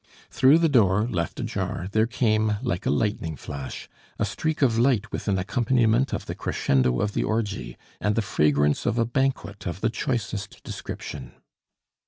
Through the door, left ajar, there came, like a lightning flash, a streak of light with an accompaniment of the crescendo of the orgy and the fragrance of a banquet of the choicest description.